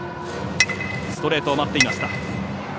ストレートを待っていました。